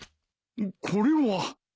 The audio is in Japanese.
これは。